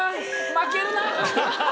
負けるな。